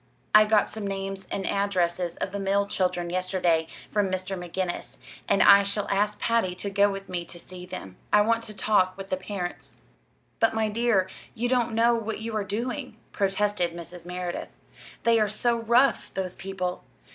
"I got some names and addresses of the mill children yesterday from Mr. McGinnis; and I shall ask Patty to go with me to see them. I want to talk with the parents." "But, my dear, you don't know what you are doing," protested Mrs. Merideth. "They are so rough those people.